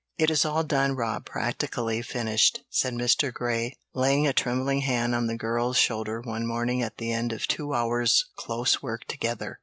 "It is all done, Rob, practically finished," said Mr. Grey, laying a trembling hand on the girl's shoulder one morning at the end of two hours' close work together.